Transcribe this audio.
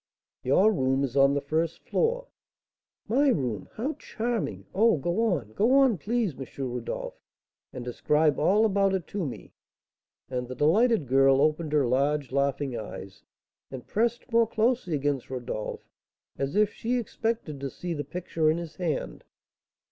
"Your room is on the first floor " "My room! how charming! Oh, go on go on, please, M. Rodolph, and describe all about it to me!" And the delighted girl opened her large laughing eyes, and pressed more closely against Rodolph, as if she expected to see the picture in his hand.